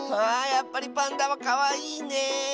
やっぱりパンダはかわいいね。